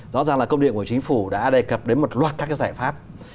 rõ ràng là công điện của chính phủ đã đề cập đến một loạt các giải pháp